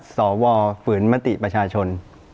สวฝืนมติประชาชน